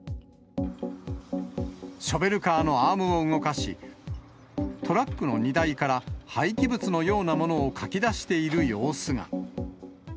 ショベルカーのアームを動かし、トラックの荷台から廃棄物のようなものをかき出している様子が。